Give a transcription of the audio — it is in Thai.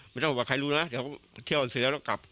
ไม่ต้องบอกว่าว่าใครรู้นะเดี๋ยวเที่ยวอบริณสุธิแล้วก็กลับ